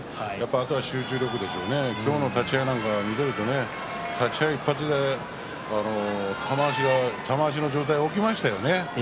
あとは集中力でしょうね今日の立ち合いなんか見ていると立ち合い１発で玉鷲の上体が起きましたよね。